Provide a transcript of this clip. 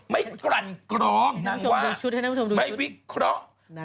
ไม่กลั่นกรองไม่วิเคราะห์